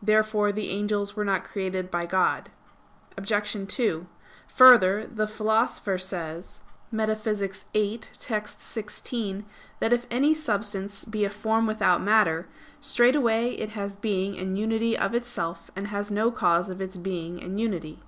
Therefore the angels were not created by God. Obj. 2: Further, the Philosopher says (Metaph. viii, text. 16) that if any substance be a form without matter, "straightway it has being and unity of itself, and has no cause of its being and unity."